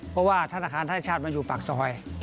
เพราะว่าธนาคารไทยชาติมันอยู่ปากซอย